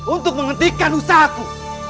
untuk menghentikan usahamu